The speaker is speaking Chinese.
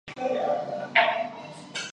道光二年中壬午恩科进士。